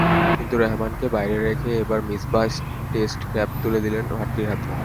কিন্তু রেহমানকে বাইরে রেখে এবার মিসবাহ টেস্ট ক্যাপ তুলে দিলেন ভাট্টির হাতে।